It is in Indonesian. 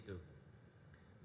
tempat anda berkegiatan mengikuti itu